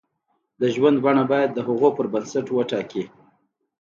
د ژوند بڼه باید د هغو پر بنسټ وټاکي.